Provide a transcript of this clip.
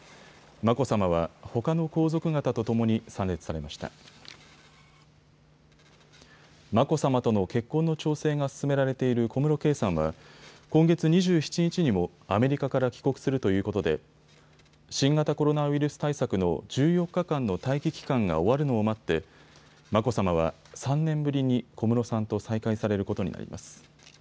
眞子さまとの結婚の調整が進められている小室圭さんは今月２７日にもアメリカから帰国するということで新型コロナウイルス対策の１４日間の待機期間が終わるのを待って眞子さまは３年ぶりに小室さんと再会されることになります。